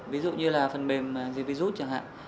ví dụ như là phần mềm gì virus chẳng hạn